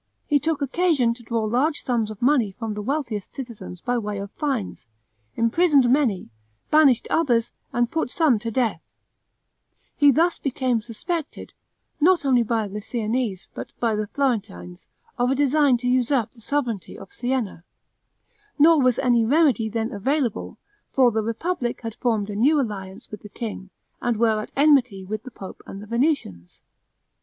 He took occasion to draw large sums of money from the wealthiest citizens by way of fines, imprisoned many, banished others, and put some to death; he thus became suspected, not only by the Siennese but by the Florentines, of a design to usurp the sovereignty of Sienna; nor was any remedy then available, for the republic had formed a new alliance with the king, and were at enmity with the pope and the Venetians.